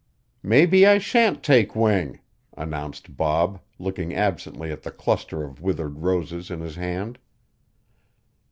"Maybe I shan't take wing," announced Bob, looking absently at the cluster of withered roses in his hand.